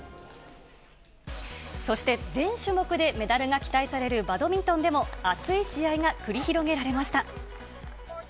そして、全種目でメダルが期待されるバドミントンでも熱い試合が繰り広げられました。